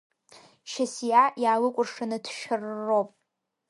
Шьасиа иаалыкәыршаны ҭшәарроуп.